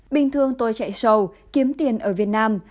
bình thường tôi chạy sầu kiếm tiền ở việt nam